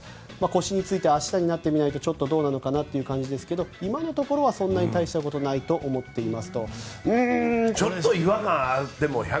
腰については明日になってみないとちょっとどうなのかなという感じですがそんなに大したことないと思っていますと。